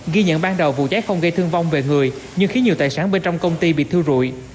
ghi nhận ban đầu vụ cháy không gây thương vong về người nhưng khiến nhiều tài sản bên trong công ty bị thiêu rụi